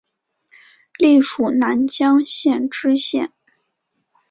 历署南江县知县。